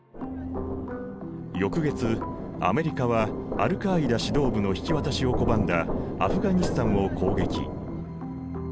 翌月アメリカはアルカーイダ指導部の引き渡しを拒んだアフガニスタンを攻撃。